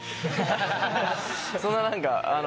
そんな何か。